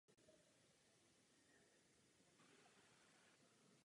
Následovala další zranění a konec sportovní kariéry.